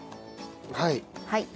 はい。